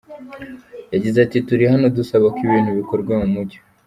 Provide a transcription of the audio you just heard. Yagize ati “Turi hano dusaba ko ibintu bikorwa mu mucyo.